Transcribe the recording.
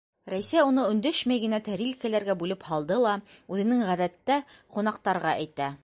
Рәйсә уны өндәшмәй генә тәрилкәләргә бүлеп һалды ла, үҙенең ғәҙәттә ҡунаҡтарға әйтә